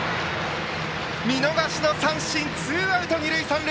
見逃しの三振でツーアウト、二塁三塁。